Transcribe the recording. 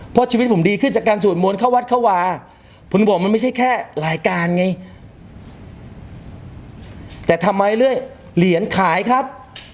เพราะชีวิตผมดีขึ้นจากการสวดมนต์เข้าวัดเข้าวาคุณบอกมันไม่ใช่แค่รายการไงแต่ทำไมเรื่อยเหรียญขายครับ